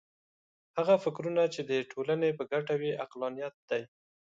هغه فکرونه چې د ټولنې په ګټه وي عقلانیت دی.